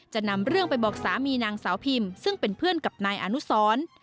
จะนำเรื่องไปบอกสามีนางสาวพิมซึ่งเป็นเพื่อนกับนายอนุสร